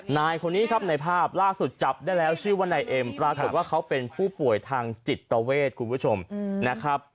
นายคนนี้ครับในภาพล่าสุดจับได้แล้วชื่อว่านายเอ็มปรากฏว่าเขาเป็นผู้ป่วยทางจิตเวทคุณผู้ชมนะครับ